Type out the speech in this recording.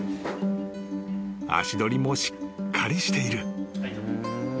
［足取りもしっかりしている］